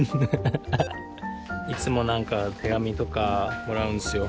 いつも何か手紙とかもらうんですよ。